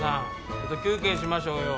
ちょっと休憩しましょうよ。